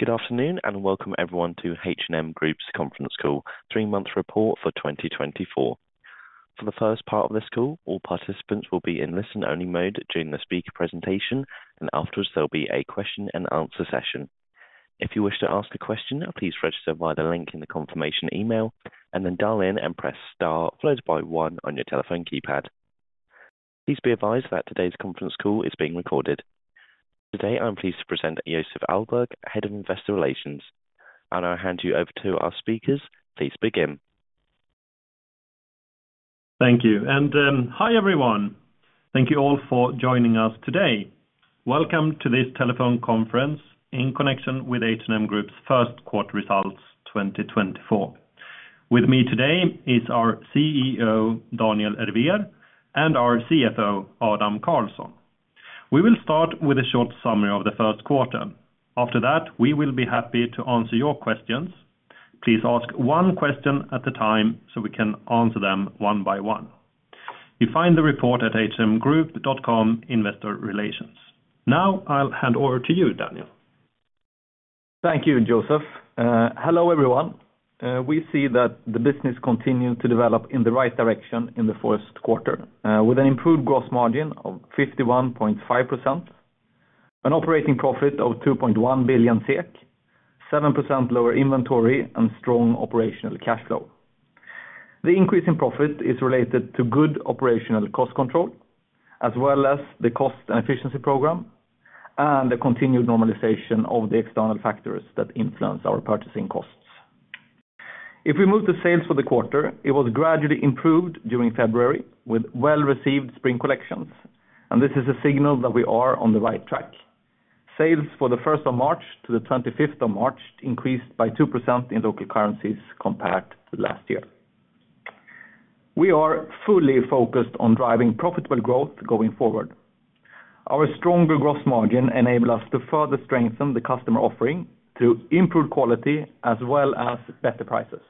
Good afternoon and welcome everyone to H&M Group's conference call, three-month report for 2024. For the first part of this call, all participants will be in listen-only mode during the speaker presentation, and afterwards there will be a question-and-answer session. If you wish to ask a question, please register via the link in the confirmation email, and then dial in and press star followed by 1 on your telephone keypad. Please be advised that today's conference call is being recorded. Today I'm pleased to present Joseph Ahlberg, Head of Investor Relations. I'll hand you over to our speakers. Please begin. Thank you. Hi everyone. Thank you all for joining us today. Welcome to this telephone conference in connection with H&M Group's first quarter results 2024. With me today is our CEO, Daniel Ervér, and our CFO, Adam Karlsson. We will start with a short summary of the first quarter. After that, we will be happy to answer your questions. Please ask one question at a time so we can answer them one by one. You find the report at hmgroup.com investor relations. Now I'll hand over to you, Daniel. Thank you, Joseph. Hello everyone. We see that the business continued to develop in the right direction in the first quarter, with an improved gross margin of 51.5%, an operating profit of 2.1 billion SEK, 7% lower inventory, and strong operational cash flow. The increase in profit is related to good operational cost control, as well as the cost and efficiency program, and the continued normalization of the external factors that influence our purchasing costs. If we move to sales for the quarter, it was gradually improved during February with well-received spring collections, and this is a signal that we are on the right track. Sales for the 1st of March to the 25th of March increased by 2% in local currencies compared to last year. We are fully focused on driving profitable growth going forward. Our stronger gross margin enables us to further strengthen the customer offering through improved quality as well as better prices.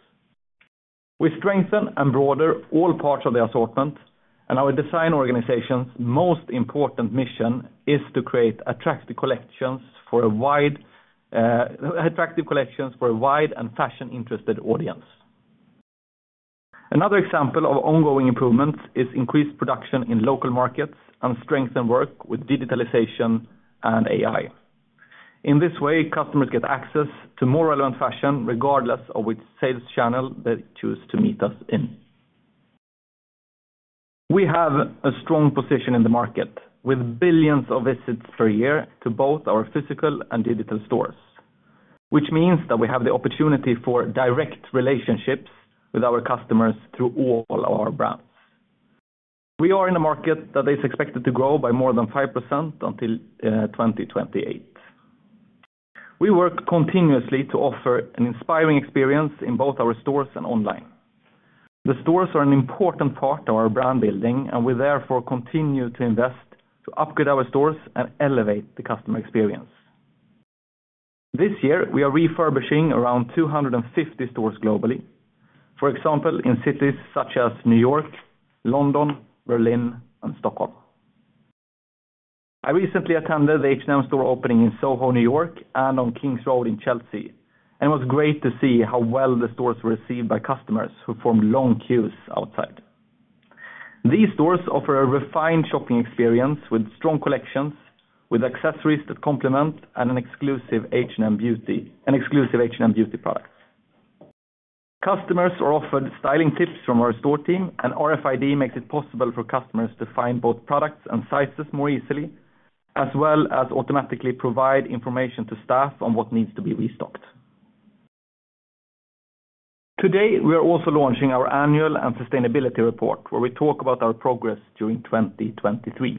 We strengthen and broaden all parts of the assortment, and our design organization's most important mission is to create attractive collections for a wide and fashion-interested audience. Another example of ongoing improvements is increased production in local markets and strengthened work with digitalization and AI. In this way, customers get access to more relevant fashion regardless of which sales channel they choose to meet us in. We have a strong position in the market with billions of visits per year to both our physical and digital stores, which means that we have the opportunity for direct relationships with our customers through all of our brands. We are in a market that is expected to grow by more than 5% until 2028. We work continuously to offer an inspiring experience in both our stores and online. The stores are an important part of our brand building, and we therefore continue to invest to upgrade our stores and elevate the customer experience. This year, we are refurbishing around 250 stores globally, for example, in cities such as New York, London, Berlin, and Stockholm. I recently attended the H&M store opening in Soho, New York, and on King's Road in Chelsea, and it was great to see how well the stores were received by customers who formed long queues outside. These stores offer a refined shopping experience with strong collections, with accessories that complement, and an exclusive H&M Beauty product. Customers are offered styling tips from our store team, and RFID makes it possible for customers to find both products and sizes more easily, as well as automatically provide information to staff on what needs to be restocked. Today, we are also launching our annual and sustainability report where we talk about our progress during 2023.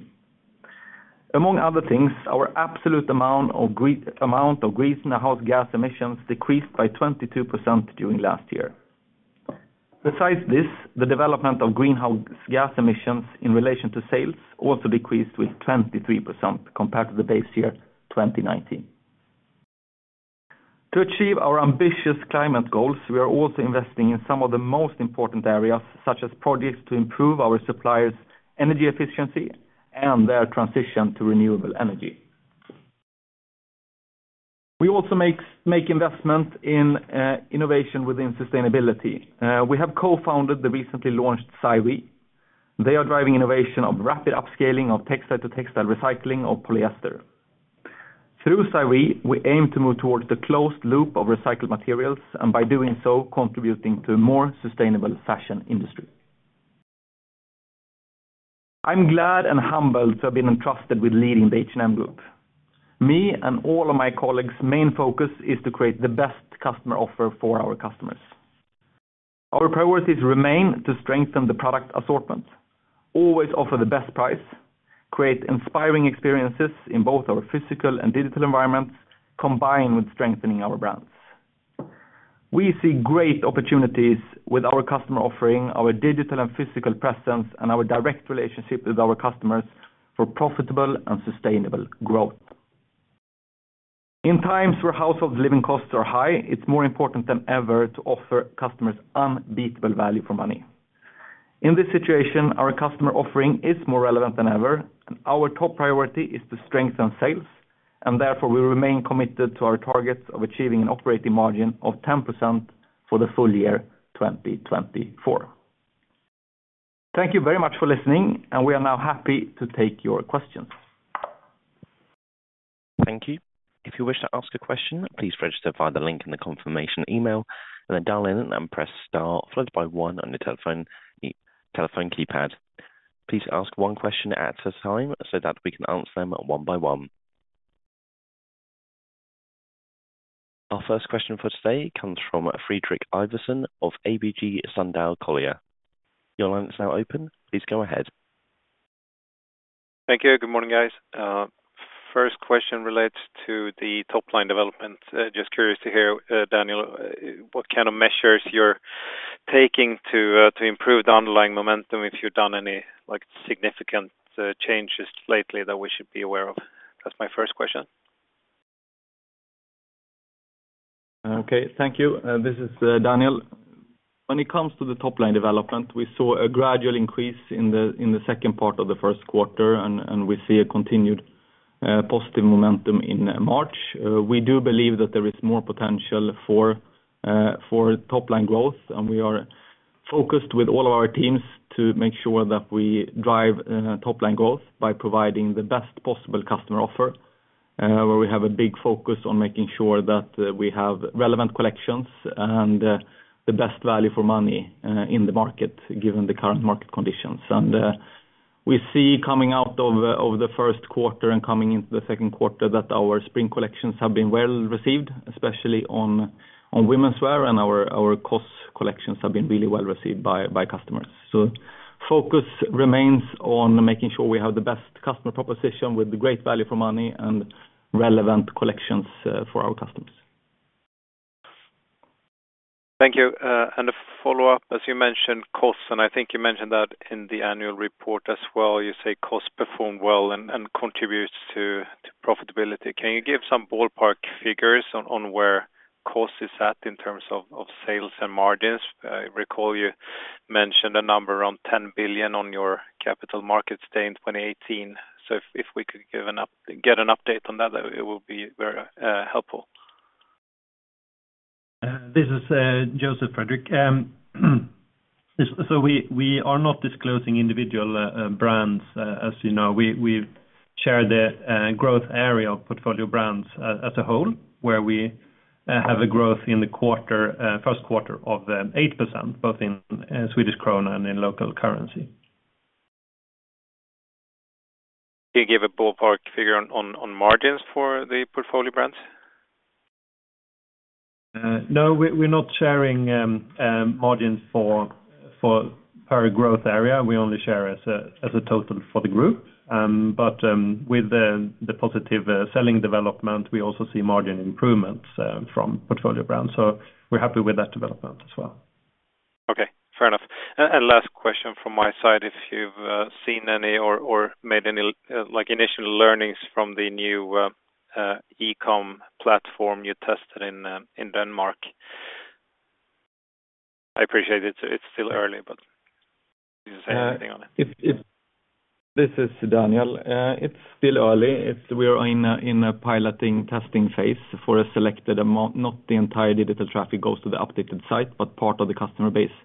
Among other things, our absolute amount of greenhouse gas emissions decreased by 22% during last year. Besides this, the development of greenhouse gas emissions in relation to sales also decreased with 23% compared to the base year 2019. To achieve our ambitious climate goals, we are also investing in some of the most important areas such as projects to improve our suppliers' energy efficiency and their transition to renewable energy. We also make investment in innovation within sustainability. We have co-founded the recently launched Syre. They are driving innovation of rapid upscaling of textile to textile recycling of polyester. Through Syre, we aim to move towards the closed loop of recycled materials and by doing so, contributing to a more sustainable fashion industry. I'm glad and humbled to have been entrusted with leading the H&M Group. Me and all of my colleagues' main focus is to create the best customer offer for our customers. Our priorities remain to strengthen the product assortment, always offer the best price, create inspiring experiences in both our physical and digital environments, combine with strengthening our brands. We see great opportunities with our customer offering, our digital and physical presence, and our direct relationship with our customers for profitable and sustainable growth. In times where households' living costs are high, it's more important than ever to offer customers unbeatable value for money. In this situation, our customer offering is more relevant than ever, and our top priority is to strengthen sales, and therefore we remain committed to our targets of achieving an operating margin of 10% for the full year 2024. Thank you very much for listening, and we are now happy to take your questions. Thank you. If you wish to ask a question, please register via the link in the confirmation email, and then dial in and press star followed by 1 on your telephone keypad. Please ask one question at a time so that we can answer them one by one. Our first question for today comes from Fredrik Ivarsson of ABG Sundal Collier. Your line is now open. Please go ahead. Thank you. Good morning, guys. First question relates to the top-line development. Just curious to hear, Daniel, what kind of measures you're taking to improve the underlying momentum if you've done any, like, significant changes lately that we should be aware of. That's my first question. Okay. Thank you. This is Daniel. When it comes to the top-line development, we saw a gradual increase in the second part of the first quarter, and we see a continued positive momentum in March. We do believe that there is more potential for top-line growth, and we are focused with all of our teams to make sure that we drive top-line growth by providing the best possible customer offer, where we have a big focus on making sure that we have relevant collections and the best value for money in the market given the current market conditions. We see coming out of the first quarter and coming into the second quarter that our spring collections have been well received, especially on womenswear, and our COS collections have been really well received by customers. Focus remains on making sure we have the best customer proposition with the great value for money and relevant collections, for our customers. Thank you. A follow-up, as you mentioned, costs. I think you mentioned that in the annual report as well. You say costs perform well and contribute to profitability. Can you give some ballpark figures on where costs is at in terms of sales and margins? I recall you mentioned a number around 10 billion on your capital markets day in 2018. So if we could get an update on that, it would be very helpful. This is Joseph, Fredrik. This, so we are not disclosing individual brands, as you know. We share the growth area of portfolio brands as a whole where we have a growth in the first quarter of 8% both in Swedish krona and in local currency. Can you give a ballpark figure on margins for the portfolio brands? No. We're not sharing margins per growth area. We only share as a total for the group. But with the positive selling development, we also see margin improvements from portfolio brands. So we're happy with that development as well. Okay. Fair enough. And last question from my side. If you've seen any or made any, like, initial learnings from the new e-com platform you tested in Denmark. I appreciate it's still early, but you can say anything on it. If this is Daniel. It's still early. We are in a piloting testing phase for a selected amount, not the entire digital traffic goes to the updated site, but part of the customer base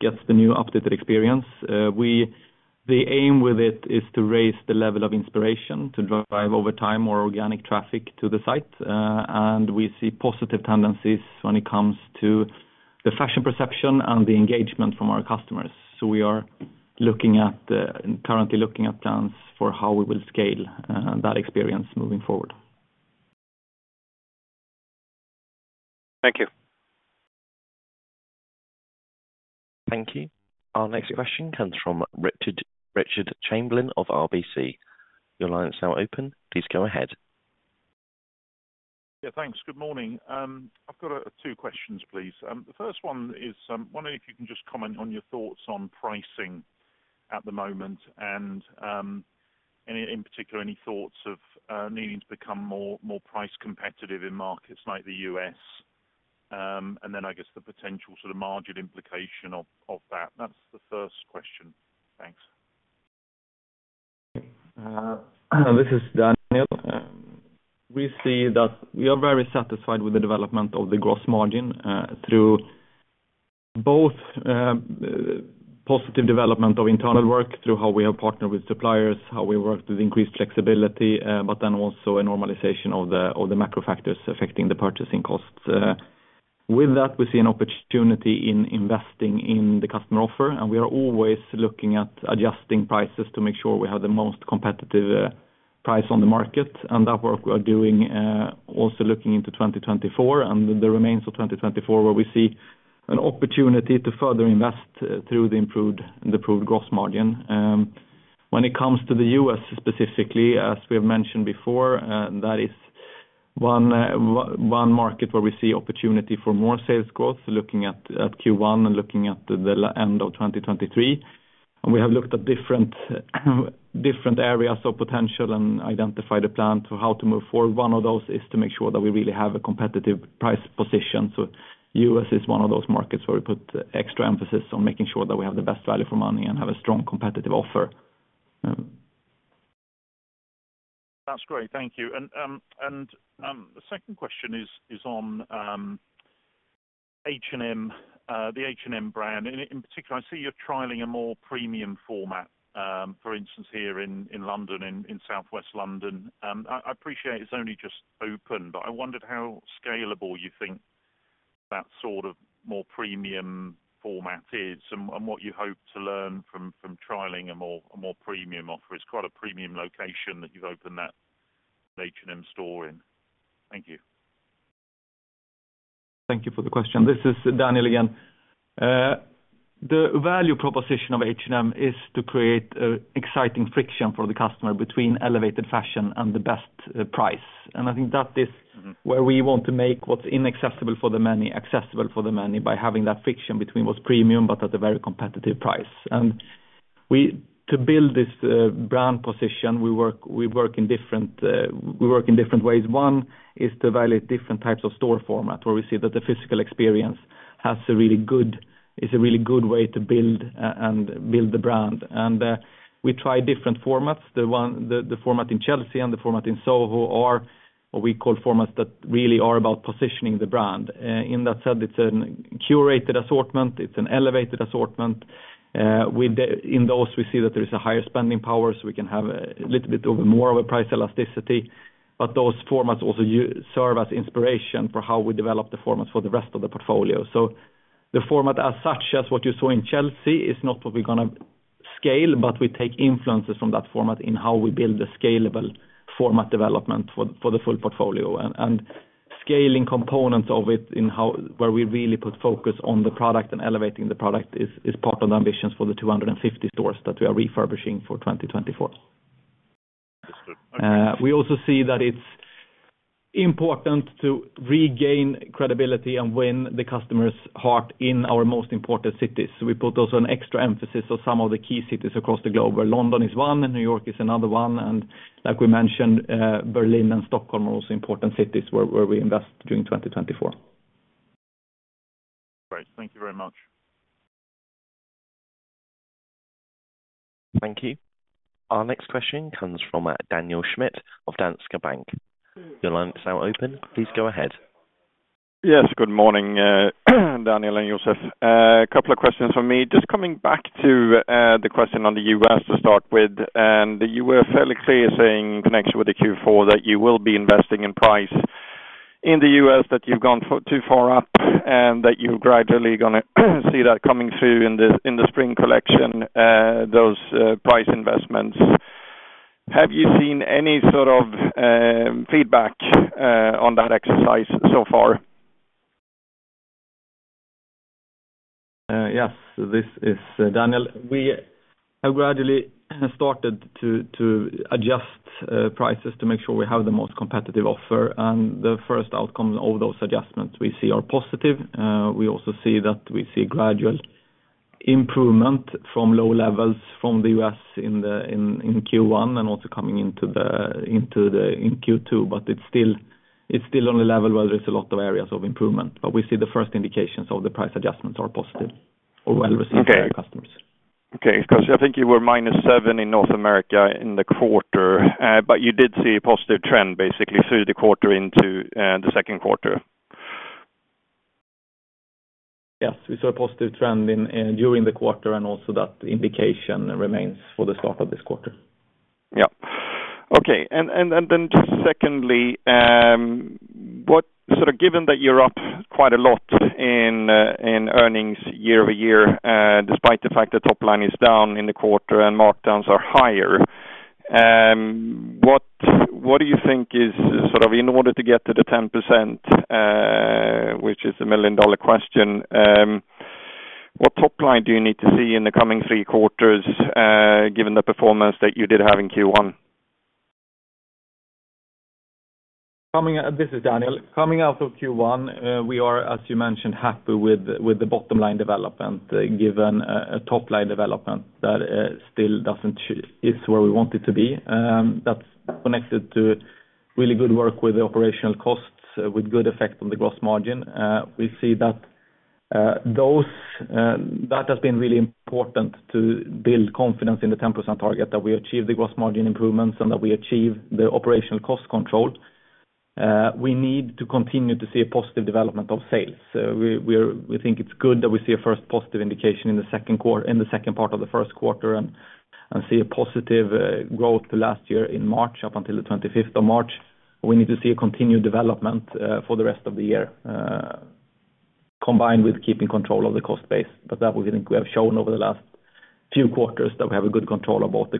gets the new updated experience. The aim with it is to raise the level of inspiration to drive over time more organic traffic to the site. And we see positive tendencies when it comes to the fashion perception and the engagement from our customers. So we are currently looking at plans for how we will scale that experience moving forward. Thank you. Thank you. Our next question comes from Richard Chamberlain of RBC. Your line is now open. Please go ahead. Yeah. Thanks. Good morning. I've got two questions, please. The first one is, wondering if you can just comment on your thoughts on pricing at the moment and, any in particular, any thoughts of, needing to become more price competitive in markets like the US, and then I guess the potential sort of margin implication of that. That's the first question. Thanks. Okay. This is Daniel. We see that we are very satisfied with the development of the gross margin through both positive development of internal work through how we have partnered with suppliers, how we worked with increased flexibility, but then also a normalization of the macro factors affecting the purchasing costs. With that, we see an opportunity in investing in the customer offer, and we are always looking at adjusting prices to make sure we have the most competitive price on the market. That work we are doing, also looking into 2024 and the remains of 2024 where we see an opportunity to further invest through the improved gross margin. When it comes to the US specifically, as we have mentioned before, that is one market where we see opportunity for more sales growth looking at Q1 and looking at the end of 2023. We have looked at different areas of potential and identified a plan for how to move forward. One of those is to make sure that we really have a competitive price position. US is one of those markets where we put extra emphasis on making sure that we have the best value for money and have a strong competitive offer. That's great. Thank you. And the second question is on H&M the H&M brand. And in particular, I see you're trialing a more premium format, for instance, here in London, in Southwest London. I appreciate it's only just open, but I wondered how scalable you think that sort of more premium format is and what you hope to learn from trialing a more premium offer. It's quite a premium location that you've opened that H&M store in. Thank you. Thank you for the question. This is Daniel again. The value proposition of H&M is to create an exciting friction for the customer between elevated fashion and the best price. And I think that is. Mm-hmm. Where we want to make what's inaccessible for the many accessible for the many by having that friction between what's premium but at a very competitive price. And we, to build this brand position, work in different ways. One is to evaluate different types of store formats where we see that the physical experience is a really good way to build the brand. And we try different formats. The format in Chelsea and the format in Soho are what we call formats that really are about positioning the brand. In that sense, it's a curated assortment. It's an elevated assortment. Within those, we see that there is a higher spending power, so we can have a little bit more of a price elasticity. But those formats also serve as inspiration for how we develop the formats for the rest of the portfolio. So the format as such, as what you saw in Chelsea, is not what we're gonna scale, but we take influences from that format in how we build the scalable format development for the full portfolio. And scaling components of it in how, where we really put focus on the product and elevating the product is part of the ambitions for the 250 stores that we are refurbishing for 2024. Understood. Okay. We also see that it's important to regain credibility and win the customer's heart in our most important cities. So we put also an extra emphasis on some of the key cities across the globe where London is one, New York is another one, and like we mentioned, Berlin and Stockholm are also important cities where we invest during 2024. Great. Thank you very much. Thank you. Our next question comes from Daniel Schmidt of Danske Bank. Your line is now open. Please go ahead. Yes. Good morning, Daniel and Joseph. Couple of questions from me. Just coming back to the question on the U.S. to start with. And you were fairly clear saying in connection with the Q4 that you will be investing in price in the U.S., that you've gone a bit too far up, and that you're gradually gonna see that coming through in the in the spring collection, those price investments. Have you seen any sort of feedback on that exercise so far? Yes. This is Daniel. We have gradually started to adjust prices to make sure we have the most competitive offer. And the first outcome of those adjustments we see are positive. We also see that we see gradual improvement from low levels from the U.S. in Q1 and also coming into Q2, but it's still on the level where there's a lot of areas of improvement. But we see the first indications of the price adjustments are positive or well received by our customers. Okay. Okay. 'Cause I think you were -7 in North America in the quarter, but you did see a positive trend basically through the quarter into the second quarter. Yes. We saw a positive trend in during the quarter and also that indication remains for the start of this quarter. Yeah. Okay. And then just secondly, what sort of given that you're up quite a lot in earnings year-over-year, despite the fact the top line is down in the quarter and markdowns are higher, what do you think is sort of in order to get to the 10%, which is the million-dollar question, what top line do you need to see in the coming three quarters, given the performance that you did have in Q1? Coming out, this is Daniel. Coming out of Q1, we are, as you mentioned, happy with the bottom line development given a top line development that still doesn't quite reach where we want it to be. That's connected to really good work with the operational costs, with good effect on the gross margin. We see that those that has been really important to build confidence in the 10% target that we achieve the gross margin improvements and that we achieve the operational cost control. We need to continue to see a positive development of sales. We think it's good that we see a first positive indication in the second part of the first quarter and see a positive growth to last year in March up until the 25th of March. We need to see a continued development, for the rest of the year, combined with keeping control of the cost base. But that we think we have shown over the last few quarters that we have a good control of both the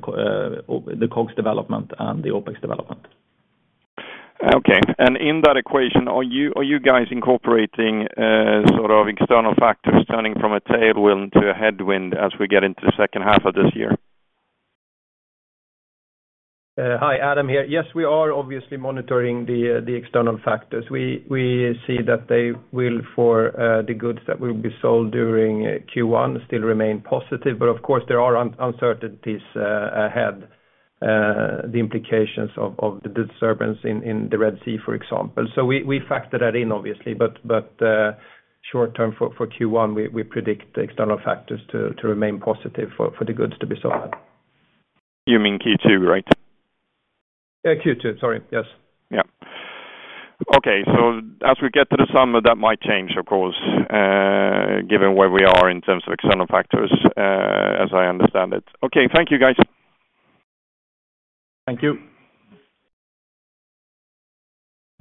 COGS development and the OPEX development. Okay. In that equation, are you guys incorporating, sort of, external factors turning from a tailwind to a headwind as we get into the second half of this year? Hi. Adam here. Yes, we are obviously monitoring the external factors. We see that they will, for the goods that will be sold during Q1, still remain positive. But of course, there are uncertainties ahead, the implications of the disturbance in the Red Sea, for example. So we factor that in, obviously. But short term, for Q1, we predict external factors to remain positive for the goods to be sold. You mean Q2, right? Q2. Sorry. Yes. Yeah. Okay. So as we get to the summer, that might change, of course, given where we are in terms of external factors, as I understand it. Okay. Thank you, guys. Thank you.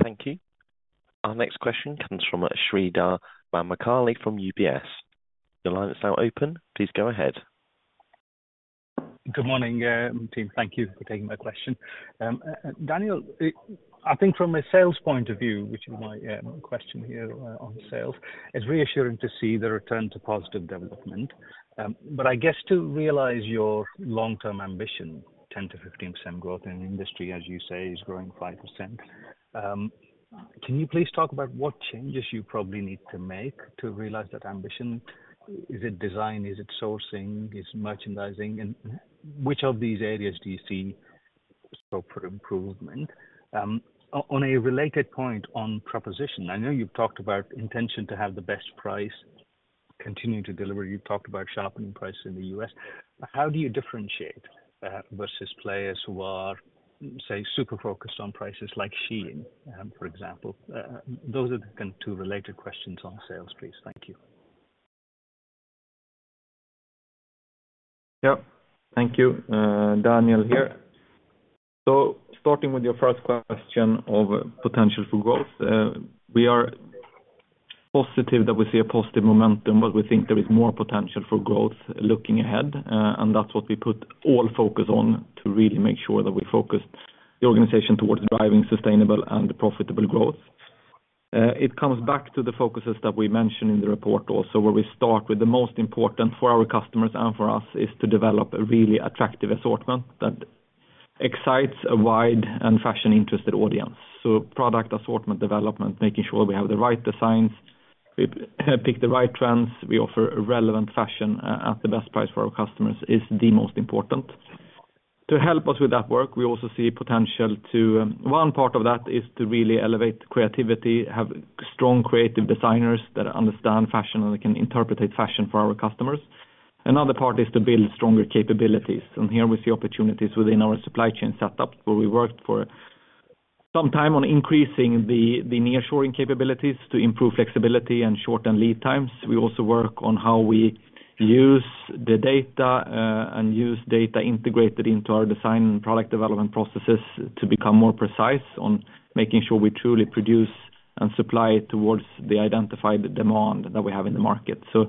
Thank you. Our next question comes from Sreedhar Mahamkali from UBS. Your line is now open. Please go ahead. Good morning, team. Thank you for taking my question. Daniel, I think from a sales point of view, which is my question here on sales, it's reassuring to see the return to positive development. But I guess to realize your long-term ambition, 10%-15% growth in an industry, as you say, is growing 5%, can you please talk about what changes you probably need to make to realize that ambition? Is it design? Is it sourcing? Is it merchandising? And which of these areas do you see scope for improvement? On a related point on proposition, I know you've talked about intention to have the best price, continue to deliver. You've talked about sharpening prices in the U.S. How do you differentiate versus players who are, say, super focused on prices like Shein, for example? Those are the kind of two related questions on sales, please. Thank you. Yeah. Thank you. Daniel here. So starting with your first question of potential for growth, we are positive that we see a positive momentum, but we think there is more potential for growth looking ahead. And that's what we put all focus on to really make sure that we focus the organization towards driving sustainable and profitable growth. It comes back to the focuses that we mentioned in the report also where we start with the most important for our customers and for us is to develop a really attractive assortment that excites a wide and fashion-interested audience. So product assortment development, making sure we have the right designs, we pick the right trends, we offer relevant fashion, at the best price for our customers is the most important. To help us with that work, we also see potential to one part of that is to really elevate creativity, have strong creative designers that understand fashion and can interpret fashion for our customers. Another part is to build stronger capabilities. Here we see opportunities within our supply chain setup where we worked for some time on increasing the nearshoring capabilities to improve flexibility and shorten lead times. We also work on how we use the data, and use data integrated into our design and product development processes to become more precise on making sure we truly produce and supply towards the identified demand that we have in the market. So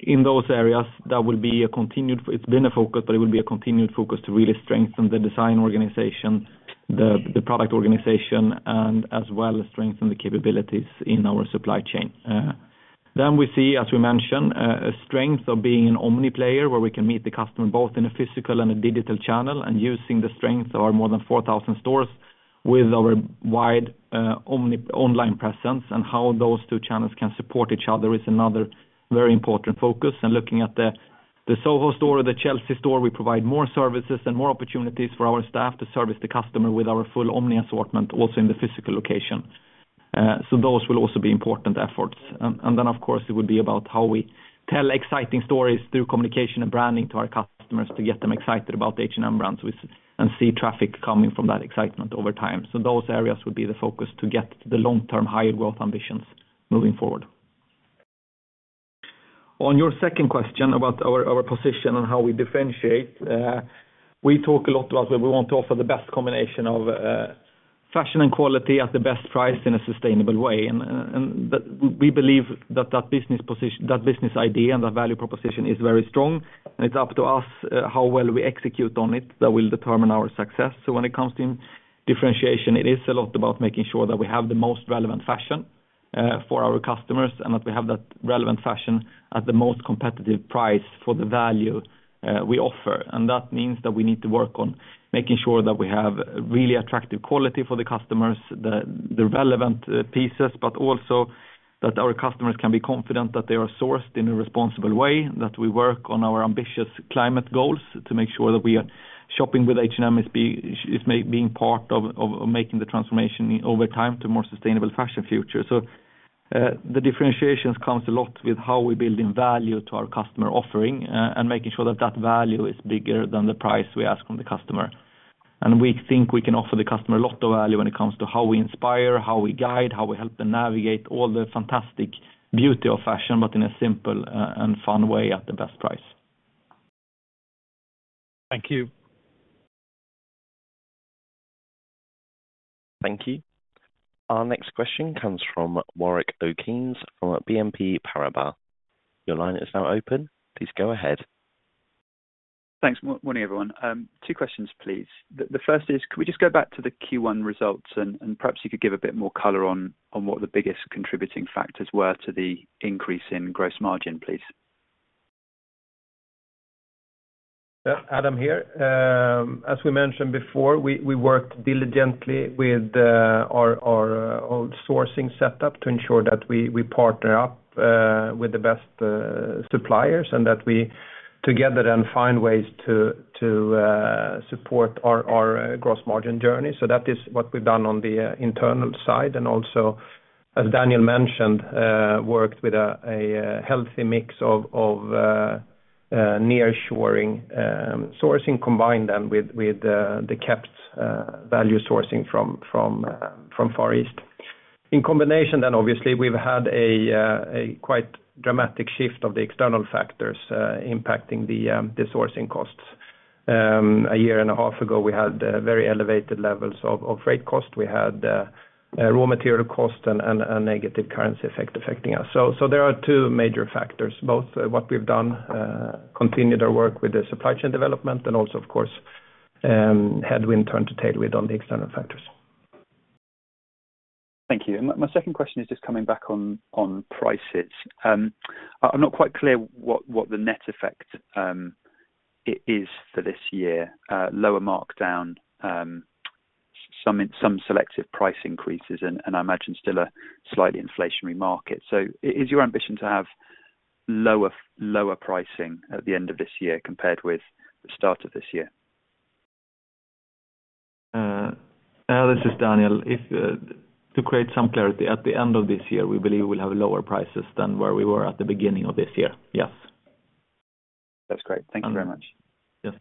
in those areas, that will be a continued focus. It's been a focus, but it will be a continued focus to really strengthen the design organization, the product organization, and as well strengthen the capabilities in our supply chain. Then we see, as we mentioned, a strength of being an omni-player where we can meet the customer both in a physical and a digital channel and using the strength of our more than 4,000 stores with our wide, omni online presence and how those two channels can support each other is another very important focus. And looking at the Soho store or the Chelsea store, we provide more services and more opportunities for our staff to service the customer with our full omni-assortment also in the physical location. So those will also be important efforts. And then, of course, it would be about how we tell exciting stories through communication and branding to our customers to get them excited about the H&M brand so we can see traffic coming from that excitement over time. So those areas would be the focus to get to the long-term higher growth ambitions moving forward. On your second question about our position and how we differentiate, we talk a lot about where we want to offer the best combination of fashion and quality at the best price in a sustainable way. And that we believe that business position, that business idea, and that value proposition is very strong. And it's up to us how well we execute on it. That will determine our success. So when it comes to differentiation, it is a lot about making sure that we have the most relevant fashion for our customers and that we have that relevant fashion at the most competitive price for the value we offer. That means that we need to work on making sure that we have really attractive quality for the customers, the relevant pieces, but also that our customers can be confident that they are sourced in a responsible way, that we work on our ambitious climate goals to make sure that shopping with H&M is being part of making the transformation over time to a more sustainable fashion future. The differentiation comes a lot with how we build in value to our customer offering, and making sure that that value is bigger than the price we ask from the customer. We think we can offer the customer a lot of value when it comes to how we inspire, how we guide, how we help them navigate all the fantastic beauty of fashion but in a simple, and fun way at the best price. Thank you. Thank you. Our next question comes from Warwick Okines from BNP Paribas. Your line is now open. Please go ahead. Thanks. Morning everyone. Two questions, please. The first is, could we just go back to the Q1 results and perhaps you could give a bit more color on what the biggest contributing factors were to the increase in gross margin, please? Yeah. Adam here. As we mentioned before, we worked diligently with our old sourcing setup to ensure that we partner up with the best suppliers and that we together then find ways to support our gross margin journey. So that is what we've done on the internal side and also, as Daniel mentioned, worked with a healthy mix of nearshoring sourcing combined then with the kept value sourcing from the Far East. In combination then, obviously, we've had a quite dramatic shift of the external factors impacting the sourcing costs. A year and a half ago, we had very elevated levels of freight cost. We had raw material cost and negative currency effect affecting us. So there are two major factors, both what we've done, continued our work with the supply chain development and also, of course, headwind turn to tailwind on the external factors. Thank you. And my second question is just coming back on prices. I'm not quite clear what the net effect is for this year, lower markdown, some selective price increases and I imagine still a slightly inflationary market. So is your ambition to have lower pricing at the end of this year compared with the start of this year? This is Daniel. If, to create some clarity, at the end of this year, we believe we'll have lower prices than where we were at the beginning of this year. Yes. That's great. Thank you very much. yes.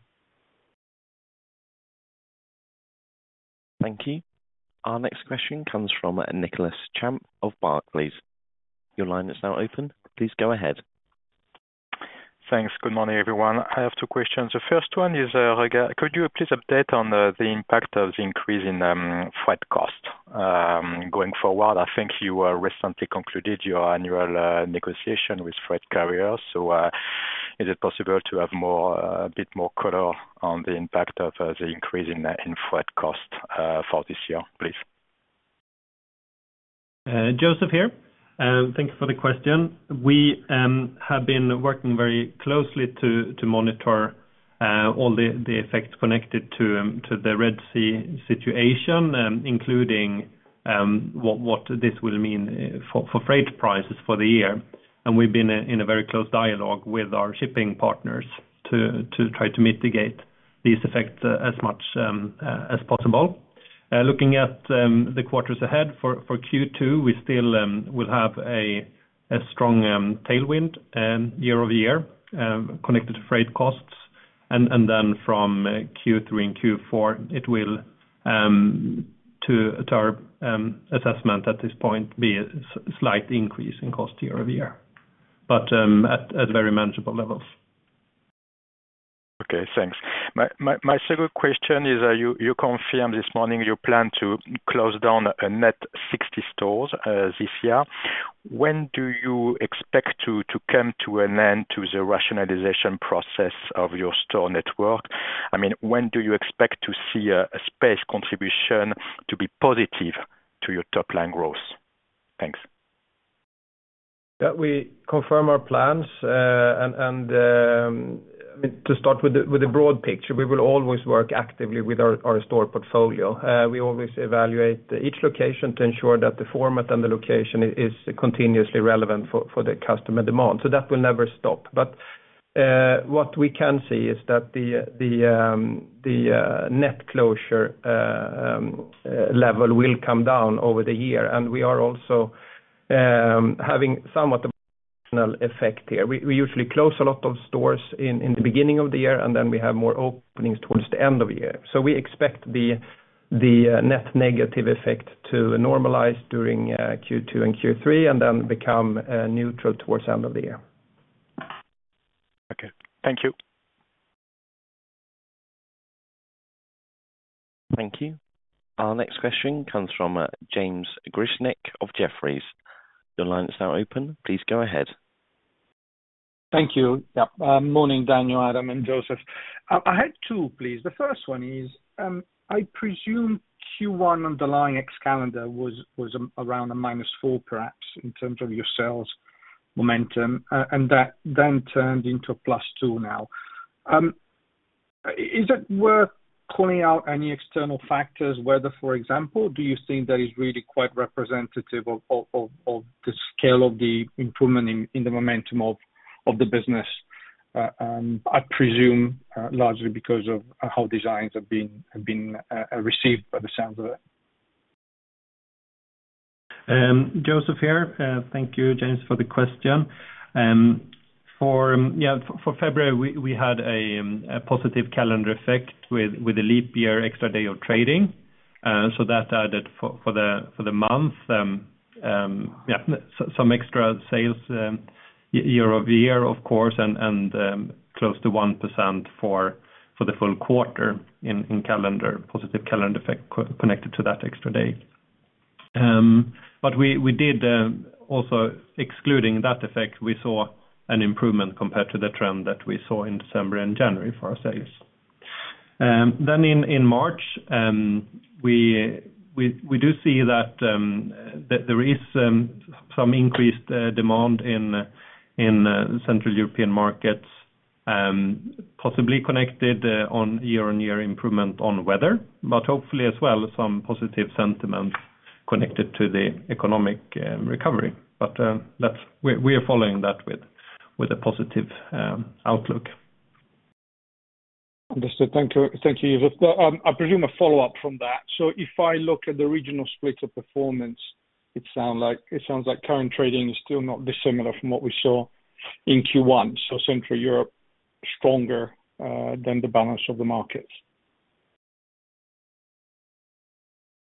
Thank you. Our next question comes from Nicolas Champ of Barclays. Your line is now open. Please go ahead. Thanks. Good morning everyone. I have two questions. The first one is regarding, could you please update on the impact of the increase in freight cost going forward? I think you recently concluded your annual negotiation with freight carriers. So, is it possible to have a bit more color on the impact of the increase in freight cost for this year, please? Joseph here. Thank you for the question. We have been working very closely to monitor all the effects connected to the Red Sea situation, including what this will mean for freight prices for the year. And we've been in a very close dialogue with our shipping partners to try to mitigate these effects as much as possible. Looking at the quarters ahead for Q2, we still will have a strong tailwind year-over-year connected to freight costs. And then from Q3 and Q4, it will, to our assessment at this point, be a slight increase in cost year-over-year, but at very manageable levels. Okay. Thanks. My second question is, you confirmed this morning you plan to close down a net 60 stores this year. When do you expect to come to an end to the rationalization process of your store network? I mean, when do you expect to see a space contribution to be positive to your top-line growth? Thanks. Yeah. We confirm our plans. I mean, to start with the broad picture, we will always work actively with our store portfolio. We always evaluate each location to ensure that the format and the location is continuously relevant for the customer demand. So that will never stop. But, what we can see is that the net closure level will come down over the year. And we are also having somewhat of a positional effect here. We usually close a lot of stores in the beginning of the year, and then we have more openings towards the end of the year. So we expect the net negative effect to normalize during Q2 and Q3 and then become neutral towards the end of the year. Okay. Thank you. Thank you. Our next question comes from James Grzinic of Jefferies. Your line is now open. Please go ahead. Thank you. Yeah. Morning Daniel, Adam, and Joseph. I have two, please. The first one is, I presume Q1 underlying ex-calendar was around -4 perhaps in terms of your sales momentum, and that then turned into +2 now. Is it worth calling out any external factors, whether, for example, do you think that is really quite representative of the scale of the improvement in the momentum of the business? I presume, largely because of, how designs have been received by the sounds of it. Joseph here. Thank you, James, for the question. For yeah, for February, we had a positive calendar effect with a leap year, extra day of trading. So that added for the month, yeah, so some extra sales, year-over-year, of course, and close to 1% for the full quarter in calendar, positive calendar effect connected to that extra day. But we did, also excluding that effect, we saw an improvement compared to the trend that we saw in December and January for our sales. Then in March, we do see that there is some increased demand in Central European markets, possibly connected on year-on-year improvement on weather, but hopefully as well some positive sentiment connected to the economic recovery. But that's we are following that with a positive outlook. Understood. Thank you. Thank you, Joseph. I presume a follow-up from that. So if I look at the regional split of performance, it sounds like current trading is still not dissimilar from what we saw in Q1. So Central Europe stronger than the balance of the markets.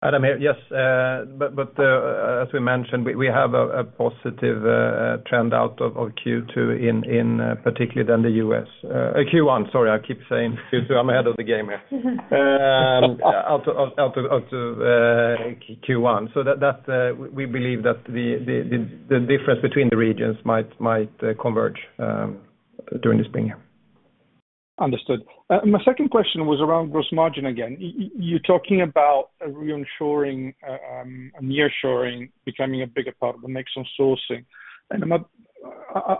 Adam here. Yes. But, as we mentioned, we have a positive trend out of Q2, in particularly in the US. Q1. Sorry. I keep saying Q2. I'm ahead of the game here. Out of Q1. So that, we believe that the difference between the regions might converge during the spring here. Understood. My second question was around gross margin again. You're talking about reassuring, nearshoring becoming a bigger part of the next in sourcing. And I'm not,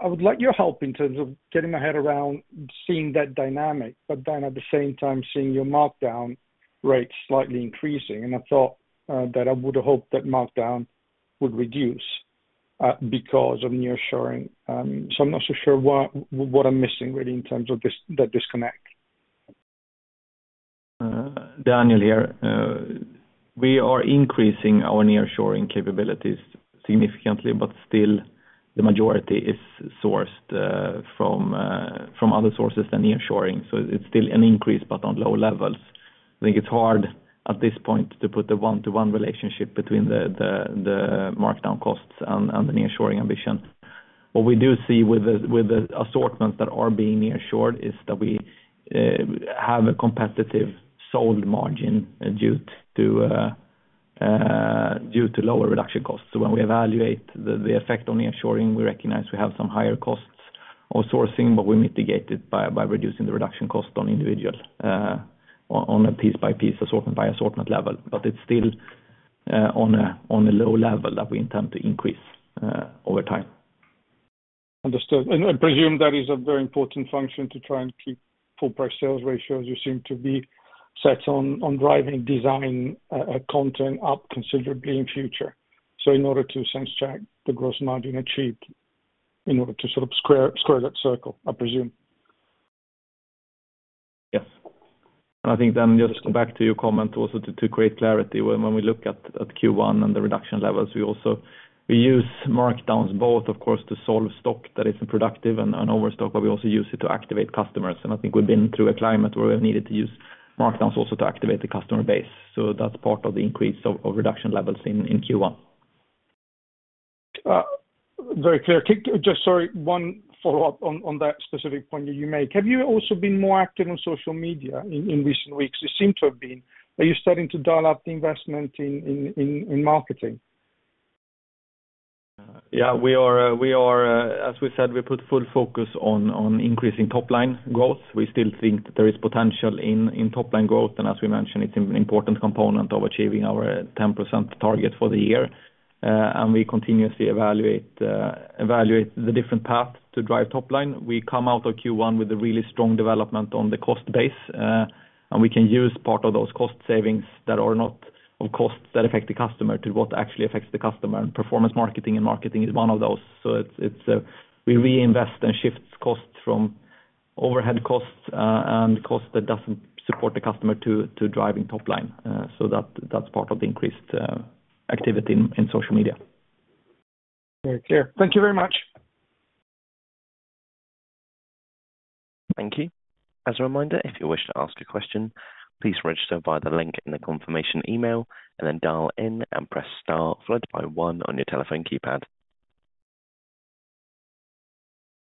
I would like your help in terms of getting my head around seeing that dynamic, but then at the same time seeing your markdown rate slightly increasing. And I thought that I would have hoped that markdown would reduce because of nearshoring. So I'm not so sure why what I'm missing really in terms of this that disconnect. Daniel here. We are increasing our nearshoring capabilities significantly, but still the majority is sourced from other sources than nearshoring. So it's still an increase but on low levels. I think it's hard at this point to put the one-to-one relationship between the markdown costs and the nearshoring ambition. What we do see with the assortments that are being nearshored is that we have a competitive sold margin due to lower reduction costs. So when we evaluate the effect on nearshoring, we recognize we have some higher costs of sourcing, but we mitigate it by reducing the reduction cost on individual on a piece-by-piece, assortment-by-assortment level. But it's still on a low level that we intend to increase over time. Understood. I presume that is a very important function to try and keep full-price sales ratios. You seem to be set on driving design, content up considerably in future. In order to sense check the gross margin achieved in order to sort of square that circle, I presume. Yes. And I think then just to go back to your comment also to create clarity, when we look at Q1 and the reduction levels, we also use markdowns both, of course, to solve stock that isn't productive and overstock, but we also use it to activate customers. And I think we've been through a climate where we've needed to use markdowns also to activate the customer base. So that's part of the increase of reduction levels in Q1. Very clear. One follow-up on that specific point you make. Have you also been more active on social media in recent weeks? You seem to have been. Are you starting to dial up the investment in marketing? Yeah. We are, as we said, we put full focus on increasing top-line growth. We still think there is potential in top-line growth. And as we mentioned, it's an important component of achieving our 10% target for the year. We continuously evaluate the different paths to drive top-line. We come out of Q1 with a really strong development on the cost base, and we can use part of those cost savings that are not of costs that affect the customer to what actually affects the customer. And performance marketing and marketing is one of those. So it's a we reinvest and shift costs from overhead costs, and costs that doesn't support the customer to driving top-line. So that's part of the increased activity in social media. Very clear. Thank you very much. Thank you. As a reminder, if you wish to ask a question, please register via the link in the confirmation email and then dial in and press star followed by one on your telephone keypad.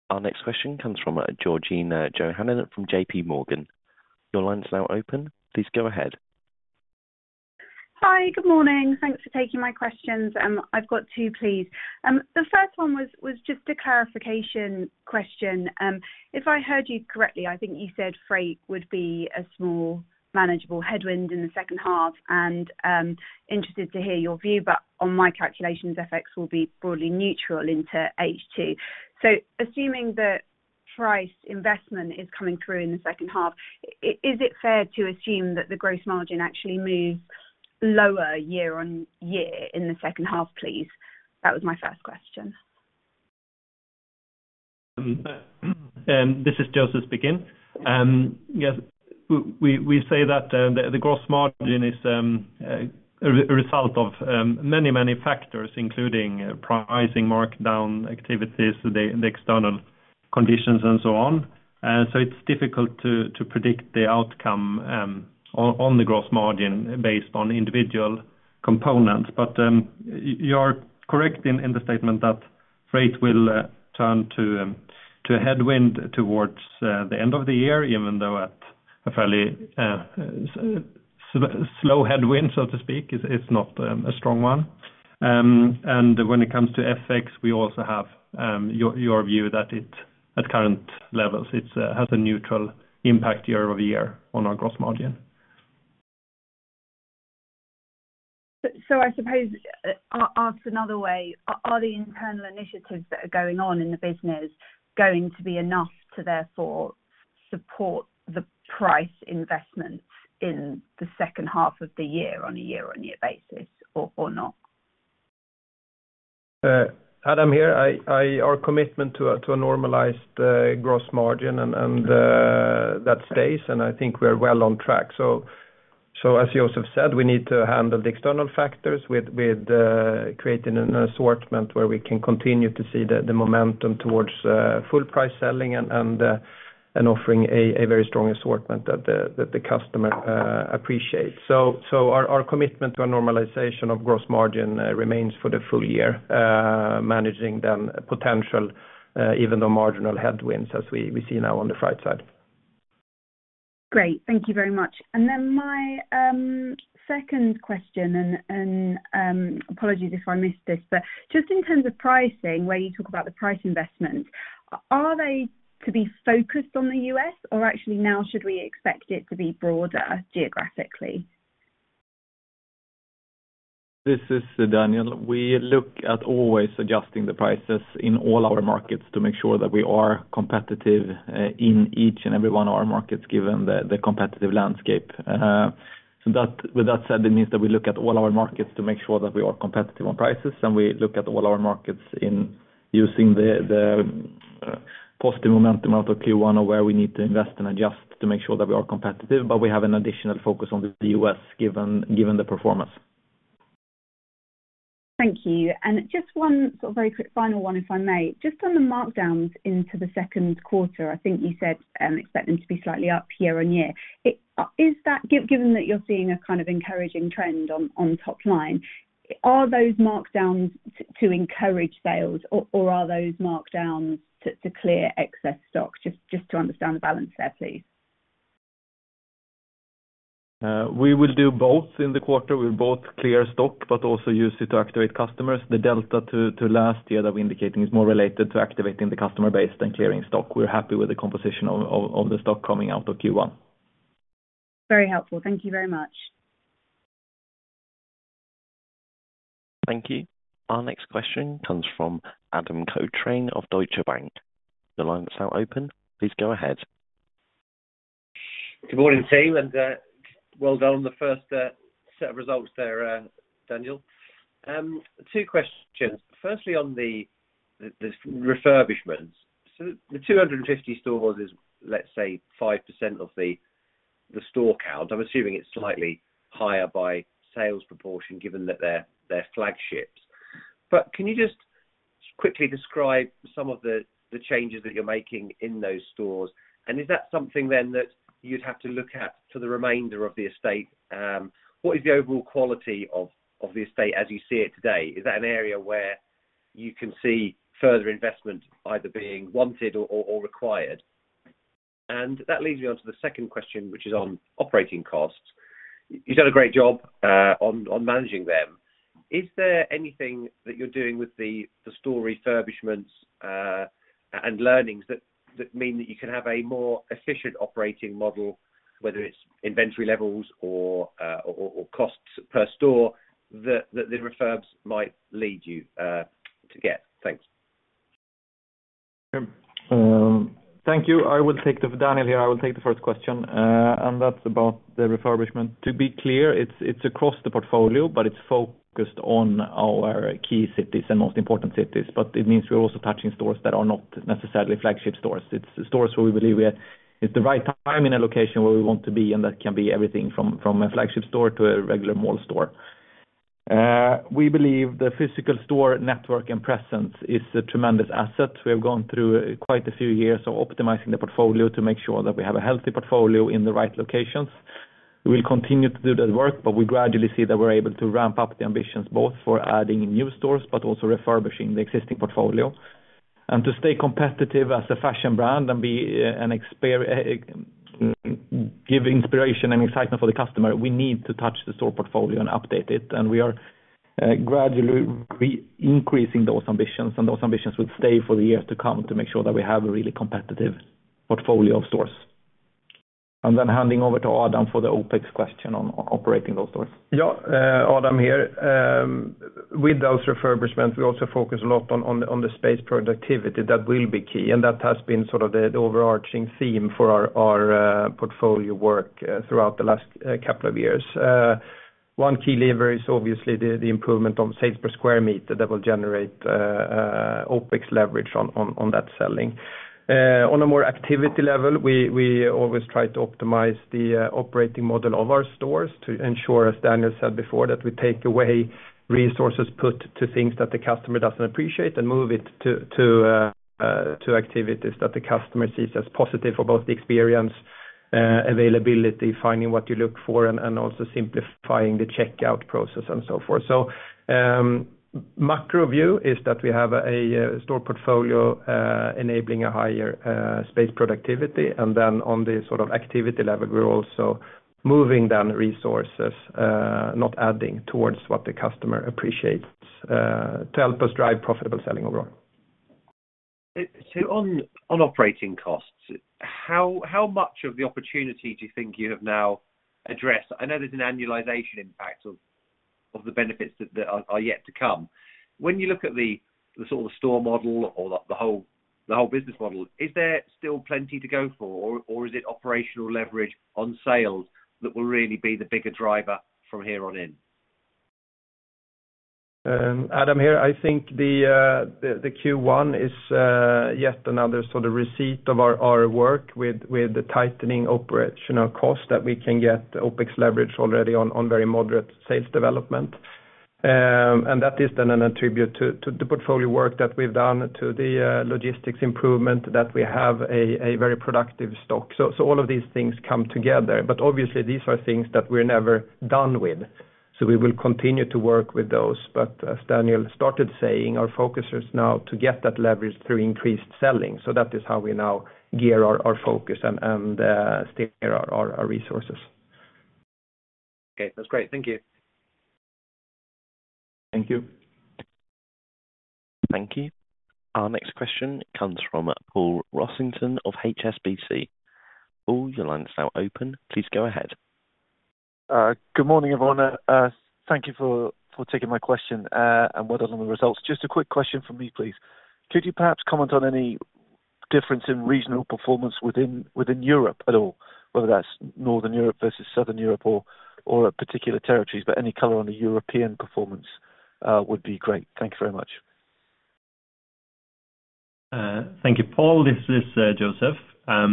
Our next question comes from Georgina Johanan from JPMorgan. Your line is now open. Please go ahead. Hi. Good morning. Thanks for taking my questions. I've got two, please. The first one was just a clarification question. If I heard you correctly, I think you said freight would be a small manageable headwind in the second half and, interested to hear your view, but on my calculations, FX will be broadly neutral into H2. So assuming that price investment is coming through in the second half, is it fair to assume that the gross margin actually moves lower year on year in the second half, please? That was my first question. This is Joseph speaking. Yes, we say that the gross margin is a result of many, many factors including pricing, markdown activities, the external conditions, and so on. So it's difficult to predict the outcome on the gross margin based on individual components. But you are correct in the statement that freight will turn to a headwind towards the end of the year even though at a fairly slow headwind, so to speak, is not a strong one. And when it comes to FX, we also have your view that it at current levels it has a neutral impact year over year on our gross margin. So, I suppose, asked another way, are the internal initiatives that are going on in the business going to be enough to therefore support the price investment in the second half of the year on a year-on-year basis or not? Adam here. Our commitment to a normalized gross margin, and that stays. And I think we are well on track. So as Joseph said, we need to handle the external factors with creating an assortment where we can continue to see the momentum towards full-price selling and offering a very strong assortment that the customer appreciates. So our commitment to a normalization of gross margin remains for the full year, managing the potential even though marginal headwinds as we see now on the freight side. Great. Thank you very much. And then my second question and apologies if I missed this, but just in terms of pricing where you talk about the price investment, are they to be focused on the U.S., or actually now should we expect it to be broader geographically? This is Daniel. We look at always adjusting the prices in all our markets to make sure that we are competitive, in each and every one of our markets given the competitive landscape. So with that said, it means that we look at all our markets to make sure that we are competitive on prices. We look at all our markets in using the positive momentum out of Q1 of where we need to invest and adjust to make sure that we are competitive. But we have an additional focus on the US given the performance. Thank you. Just one sort of very quick final one, if I may. Just on the markdowns into the second quarter, I think you said, expect them to be slightly up year-on-year. It is that given that you're seeing a kind of encouraging trend on top-line, are those markdowns to encourage sales, or are those markdowns to clear excess stock? Just to understand the balance there, please. We will do both in the quarter. We'll both clear stock but also use it to activate customers. The delta to last year that we're indicating is more related to activating the customer base than clearing stock. We're happy with the composition of the stock coming out of Q1. Very helpful. Thank you very much. Thank you. Our next question comes from Adam Cochrane of Deutsche Bank. Your line is now open. Please go ahead. Good morning, team. And well done on the first set of results there, Daniel. Two questions. Firstly, on the refurbishments. So the 250 stores is, let's say, 5% of the store count. I'm assuming it's slightly higher by sales proportion given that they're flagships. But can you just quickly describe some of the changes that you're making in those stores? And is that something then that you'd have to look at for the remainder of the estate? What is the overall quality of the estate as you see it today? Is that an area where you can see further investment either being wanted or required? And that leads me onto the second question, which is on operating costs. You've done a great job on managing them. Is there anything that you're doing with the store refurbishments, and learnings that mean that you can have a more efficient operating model, whether it's inventory levels or costs per store, that the refurbs might lead you to get? Thanks. Okay. Thank you. I will take that, Daniel, here. I will take the first question. That's about the refurbishment. To be clear, it's across the portfolio, but it's focused on our key cities and most important cities. But it means we're also touching stores that are not necessarily flagship stores. It's stores where we believe that it's the right time in a location where we want to be, and that can be everything from a flagship store to a regular mall store. We believe the physical store network and presence is a tremendous asset. We have gone through quite a few years of optimizing the portfolio to make sure that we have a healthy portfolio in the right locations. We will continue to do that work, but we gradually see that we're able to ramp up the ambitions both for adding new stores but also refurbishing the existing portfolio. And to stay competitive as a fashion brand and be an experience to give inspiration and excitement for the customer, we need to touch the store portfolio and update it. And we are gradually re-increasing those ambitions. And those ambitions will stay for the years to come to make sure that we have a really competitive portfolio of stores. And then handing over to Adam for the OPEX question on operating those stores. Yeah. Adam here. With those refurbishments, we also focus a lot on the space productivity. That will be key. That has been sort of the overarching theme for our portfolio work throughout the last couple of years. One key lever is obviously the improvement on sales per square meter that will generate OPEX leverage on that selling. On a more activity level, we always try to optimize the operating model of our stores to ensure, as Daniel said before, that we take away resources put to things that the customer doesn't appreciate and move it to activities that the customer sees as positive for both the experience, availability, finding what you look for, and also simplifying the checkout process and so forth. Macro view is that we have a store portfolio enabling a higher space productivity. And then on the sort of activity level, we're also moving then resources, not adding towards what the customer appreciates, to help us drive profitable selling overall. So on operating costs, how much of the opportunity do you think you have now addressed? I know there's an annualization impact of the benefits that are yet to come. When you look at the sort of store model or the whole business model, is there still plenty to go for, or is it operational leverage on sales that will really be the bigger driver from here on in? Adam here. I think the Q1 is yet another sort of receipt of our work with the tightening operational costs that we can get OPEX leverage already on very moderate sales development. And that is then an attribute to the portfolio work that we've done to the logistics improvement that we have a very productive stock. So all of these things come together. But obviously, these are things that we're never done with. So we will continue to work with those. But as Daniel started saying, our focus is now to get that leverage through increased selling. So that is how we now gear our focus and steer our resources. Okay. That's great. Thank you. Thank you. Thank you. Our next question comes from Paul Rossington of HSBC. Paul, your line is now open. Please go ahead. Good morning, everyone. Thank you for taking my question, and well done on the results. Just a quick question from me, please. Could you perhaps comment on any difference in regional performance within Europe at all, whether that's Northern Europe versus Southern Europe or particular territories, but any color on the European performance would be great. Thank you very much. Thank you, Paul. This is Joseph. I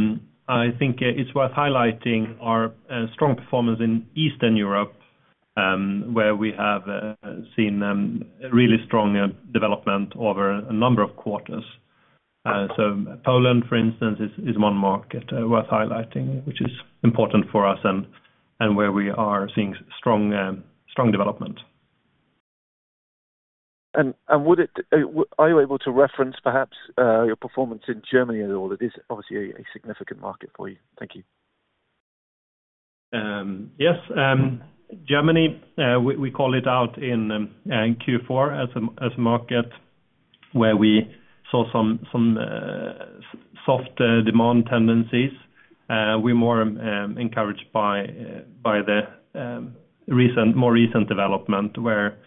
think it's worth highlighting our strong performance in Eastern Europe, where we have seen really strong development over a number of quarters. Poland, for instance, is one market worth highlighting, which is important for us and where we are seeing strong development. Would you be able to reference perhaps your performance in Germany at all? It is obviously a significant market for you. Thank you. Yes. Germany, we call it out in Q4 as a market where we saw some soft demand tendencies. We're more encouraged by the recent development where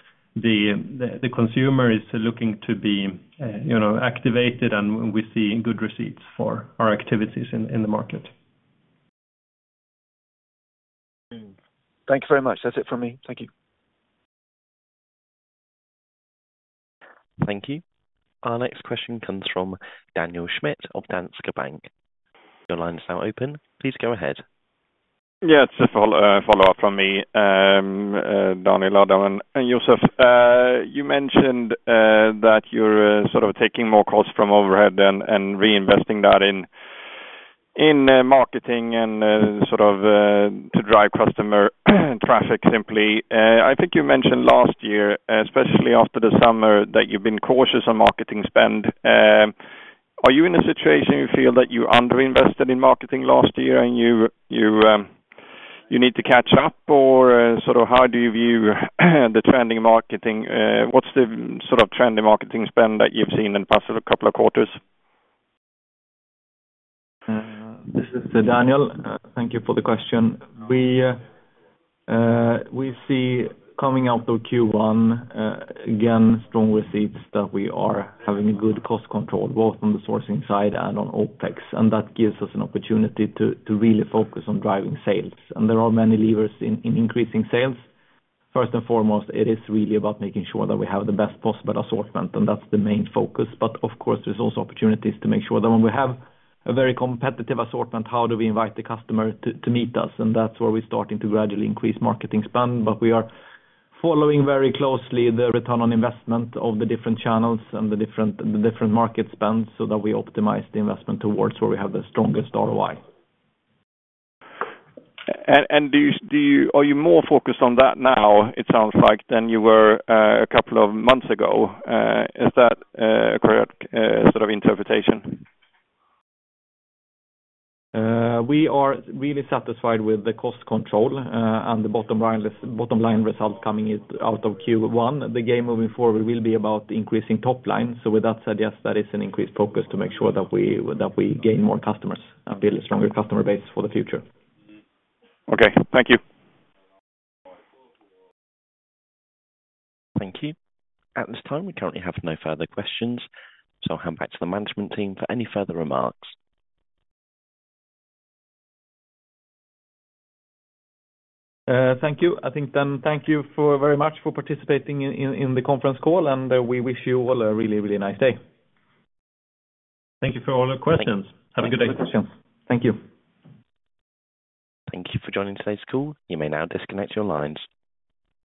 the consumer is looking to be, you know, activated, and we see good receipts for our activities in the market. Thank you very much. That's it from me. Thank you. Thank you. Our next question comes from Daniel Schmidt of Danske Bank. Your line is now open. Please go ahead. Yeah. It's a follow-up from me, Daniel, Adam, and Joseph. You mentioned that you're sort of taking more costs from overhead and reinvesting that in marketing and sort of to drive customer traffic simply. I think you mentioned last year, especially after the summer, that you've been cautious on marketing spend. Are you in a situation you feel that you underinvested in marketing last year, and you need to catch up, or sort of how do you view the trending marketing? What's the sort of trending marketing spend that you've seen in the past couple of quarters? This is Daniel. Thank you for the question. We see coming out of Q1 again strong receipts that we are having a good cost control both on the sourcing side and on OPEX. And that gives us an opportunity to really focus on driving sales. There are many levers in increasing sales. First and foremost, it is really about making sure that we have the best possible assortment. That's the main focus. But of course, there's also opportunities to make sure that when we have a very competitive assortment, how do we invite the customer to meet us? That's where we're starting to gradually increase marketing spend. But we are following very closely the return on investment of the different channels and the different market spends so that we optimize the investment towards where we have the strongest ROI. Are you more focused on that now, it sounds like, than you were a couple of months ago? Is that a correct sort of interpretation? We are really satisfied with the cost control, and the bottom-line results coming out of Q1. The game moving forward will be about increasing top-line. So with that said, yes, that is an increased focus to make sure that we gain more customers and build a stronger customer base for the future. Okay. Thank you. Thank you. At this time, we currently have no further questions. I'll hand back to the management team for any further remarks. Thank you. I think then thank you very much for participating in the conference call. We wish you all a really, really nice day. Thank you for all the questions. Have a good day. Thank you for the questions. Thank you. Thank you for joining today's call. You may now disconnect your lines.